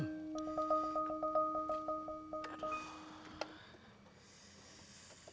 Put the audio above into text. tidak ada yang bisa dihukum